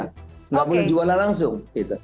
tidak boleh jualan langsung